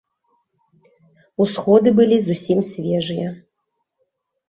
Усходы былі зусім свежыя.